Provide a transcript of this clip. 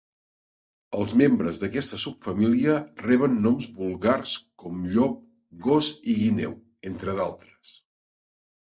Els membres d'aquesta subfamília reben noms vulgars com llop, gos i guineu, entre d'altres.